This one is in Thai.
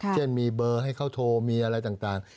เช่นมีเบอร์ให้เขาโทรมีอะไรต่าง